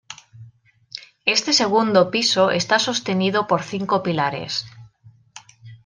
Este segundo piso está sostenido por cinco pilares.